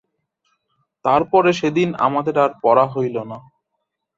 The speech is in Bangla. তার পরে সেদিন আমাদের আর পড়া হইল না।